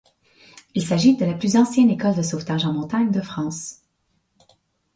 Il s'agit de la plus ancienne école de sauvetage en montagne de France.